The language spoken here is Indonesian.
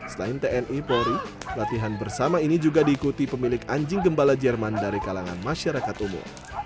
selain tni polri latihan bersama ini juga diikuti pemilik anjing gembala jerman dari kalangan masyarakat umum